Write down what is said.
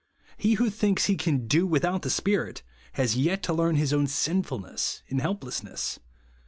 He who thinks he can do without the Spirit, has yet to learn his 0"\vn sinfulness and helplessness.